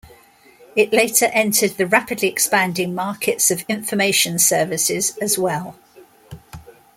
It later entered the rapidly expanding markets of information services as well.